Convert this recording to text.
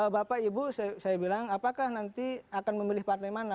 bapak ibu saya bilang apakah nanti akan memilih partai mana